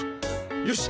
よし！